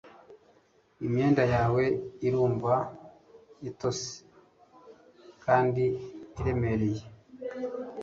imyenda yawe irumva itose kandi iremereye